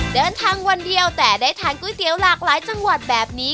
เดินทางวันเดียวแต่ได้ทานก๋วยเตี๋ยวหลากหลายจังหวัดแบบนี้